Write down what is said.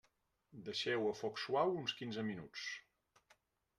Deixeu-ho a foc suau uns quinze minuts.